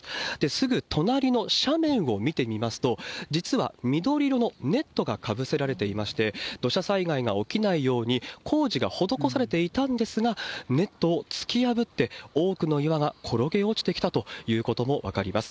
すぐ隣の斜面を見てみますと、実は緑色のネットがかぶせられていまして、土砂災害が起きないように、工事が施されていたんですが、ネットを突き破って、多くの岩が転げ落ちてきたということも分かります。